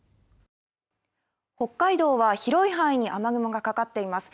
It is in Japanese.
北海道は広い範囲に雨雲がかかっています。